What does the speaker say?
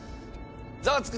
ザワつく！